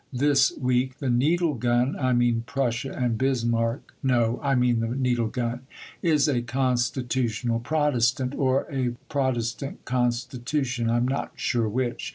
This week the needle gun (I mean Prussia and Bismarck no, I mean the needle gun) is a constitutional Protestant or a Protestant constitution, I am not sure which....